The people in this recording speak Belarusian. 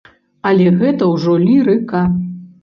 Але гэта ўжо лірыка.